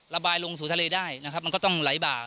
ระบายลงสู่ทะเลได้นะครับมันก็ต้องไหลบ่า